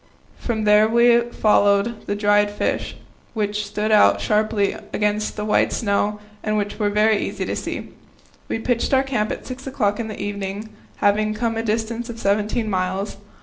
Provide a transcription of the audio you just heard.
From there we followed the dried fish, which stood out sharply against the white snow and were very easy to see. We pitched our camp at six o'clock in the evening, having come a distance of seventeen miles.